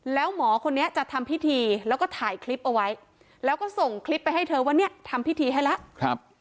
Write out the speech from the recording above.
แล้วหมอคนนี้จะทำพิธีแล้วก็ถ่ายคลิปเอาไว้แล้วก็ส่งคลิปไปให้เธอว่าเนี่ยทำพิธีให้แล้ว